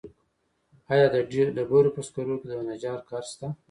آیا د ډبرو په سکرو کې د نجار کار شته